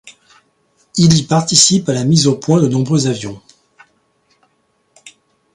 Il y participe à la mise au point de nombreux avions.